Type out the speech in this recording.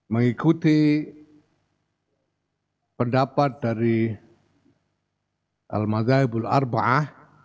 mengikuti pendapat dari al mazhabul arba ah